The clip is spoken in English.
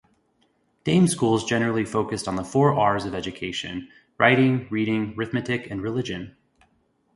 Dame schools generally focused on the four R's of education-"Riting, Reading, Rithmetic, and Religion".